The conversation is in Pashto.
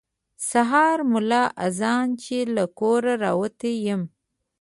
سهار ملا اذان چې له کوره راوتی یم.